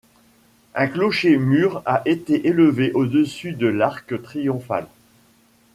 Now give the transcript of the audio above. Un clocher-mur a été élevé au-dessus de l'arc triomphal.